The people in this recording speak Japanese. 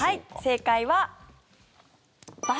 正解は×。